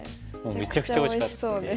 めちゃくちゃおいしそうです。